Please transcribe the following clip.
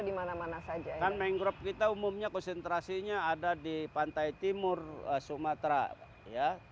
dimana mana saja kan mangrove kita umumnya konsentrasinya ada di pantai timur sumatera ya